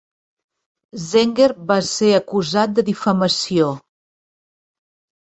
Zenger va ser acusat de difamació.